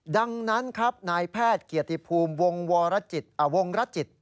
ดังนั้นครับนายแพทย์เกียรติภูมิวงวรวงรจิต